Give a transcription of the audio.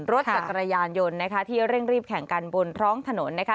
รถจักรยานยนต์นะคะที่เร่งรีบแข่งกันบนท้องถนนนะคะ